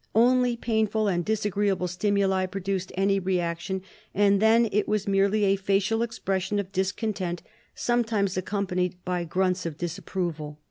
Only painful and disagreeable stimuli produced any reaction, and then it was merely a facial expression of discontent, sometimes accompanied by grunts of disapproval.